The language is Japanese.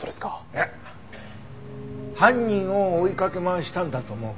いや犯人を追いかけ回したんだと思う。